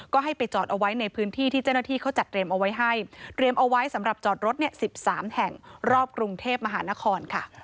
ก็ให้ไปจอดเอาไว้ในพื้นที่ที่เจ้าหน้าที่เขาจัดเตรียมเอาไว้ให้เตรียมเอาไว้สำหรับจอดรถ๑๓แห่งรอบกรุงเทพมหานครค่ะ